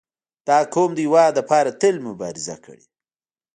• دا قوم د هېواد لپاره تل مبارزه کړې.